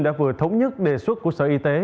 đã vừa thống nhất đề xuất của sở y tế